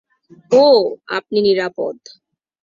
ওহ, আপনি নিরাপদ।